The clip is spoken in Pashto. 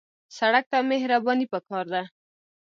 سړک ته مهرباني پکار ده.